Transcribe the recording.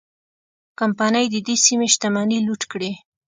کمپنۍ د دې سیمې شتمنۍ لوټ کړې.